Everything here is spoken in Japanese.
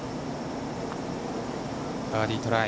バーディートライ。